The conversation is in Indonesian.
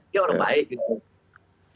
dia orang baik gitu